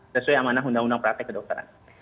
sesuai amanah undang undang praktek kedokteran